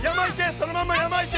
そのまま山行け！